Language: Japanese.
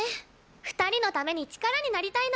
２人のために力になりたいの！